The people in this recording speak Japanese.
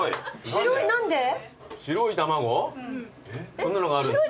そんなのがあるんですか？